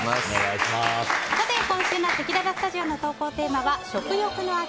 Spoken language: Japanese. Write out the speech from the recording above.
今週のせきららスタジオの投稿テーマは、食欲の秋！